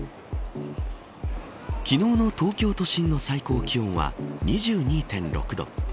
昨日の東京都心の最高気温は２２．６度。